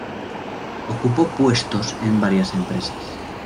Ocupó puestos en varias empresas.